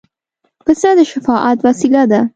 پسه د شفاعت وسیله ده.